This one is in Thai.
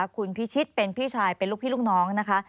คุณพิชิตเป็นพี่ชายเป็นลูกพี่ลูกน้องนะคะ